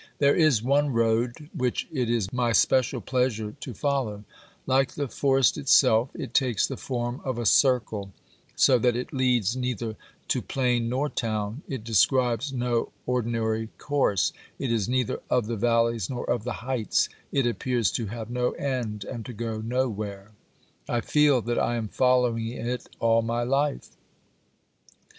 There is one road which it is my special pleasure to follow ; like the forest itself, it takes the form of a circle, so that it leads neither to plain nor town; it describes no ordinary course ; it is neither of the valleys nor of the heights ; it appears to have no end and to go nowhere. I feel that I am following it all my life.